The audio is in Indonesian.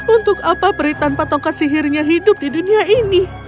untuk apa peri tanpa tongkat sihirnya hidup di dunia ini